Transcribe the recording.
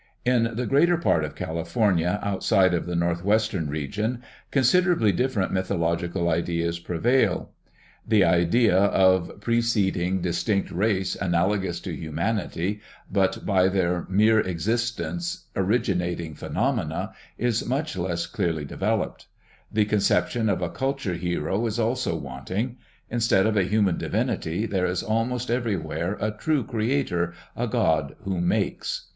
In the greater part of California outside of the northwestern region considerably different mythological ideas prevail. The VOL. 2.] Kroeber. Types of Indian Culture in California. 97 idea of a preceding distinct race analogous to humanity but by their mere existence originating phenomena, is much less clearly developed. The conception of a culture hero is also wanting. Instead of a human divinity there is almost everywhere a true creator, a god who makes.